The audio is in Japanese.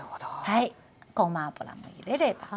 はいごま油も入れれば。